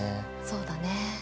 そうだね。